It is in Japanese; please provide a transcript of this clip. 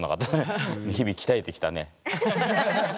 日々鍛えてきたね。